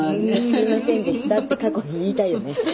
すいませんでしたって過去に言いたいよね。